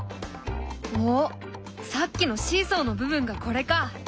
おっさっきのシーソーの部分がこれか。